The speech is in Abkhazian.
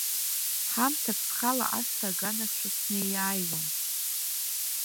Ҳамҭак схала ашҭа аганахьшәа снеиааиуан.